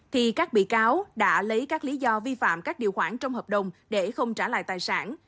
thì các bị cáo đã lấy các lý do vi phạm các điều khoản trong hợp đồng để không trả lại tài sản